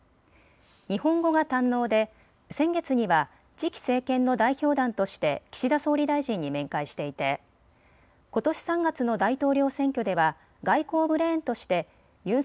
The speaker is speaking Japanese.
日本語が堪能で先月には次期政権の代表団として岸田総理大臣に面会していてことし３月の大統領選挙では外交ブレーンとしてユン・